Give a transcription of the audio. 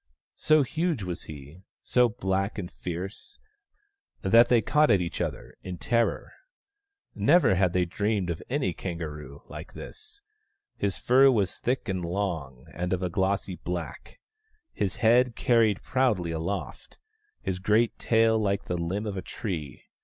So huge was he, so black and fierce, that they caught at each other in terror. Never had they dreamed of any kangaroo like this. His fur was thick and long, and of a glossy black ; his head carried proudly aloft, his great tail like the limb of a tree.